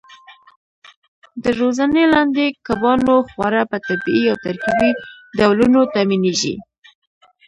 د روزنې لاندې کبانو خواړه په طبیعي او ترکیبي ډولونو تامینېږي.